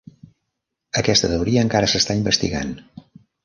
Aquesta teoria encara s'està investigant.